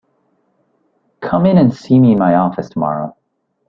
Come in and see me in my office tomorrow.